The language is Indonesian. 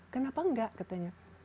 kenapa enggak katanya